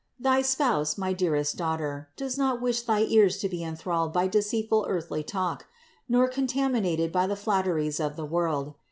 303. Thy Spouse, my dearest daughter, does not wish thy ears to be enthralled by deceitful earthly talk, nor contaminated by the flatteries of the world.